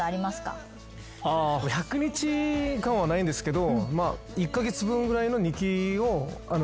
１００日間はないんですけど。